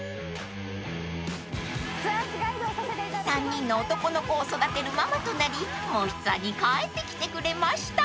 ［３人の男の子を育てるママとなり『もしツア』に帰ってきてくれました］